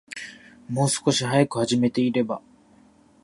もう少し早く始めていれば